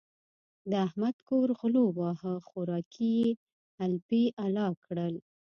د احمد کور غلو وواهه؛ خوراکی يې الپی الا کړ.